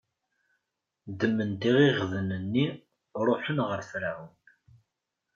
Ddmen-d iɣiɣden-nni, ṛuḥen ɣer Ferɛun.